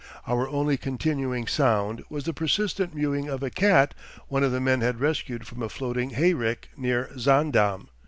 Our only continuing sound was the persistent mewing of a cat one of the men had rescued from a floating hayrick near Zaandam.